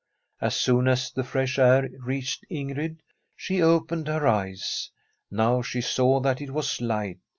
As soon as the fresh air reached Ingrid, she opened her eyes. Now she saw that it was light.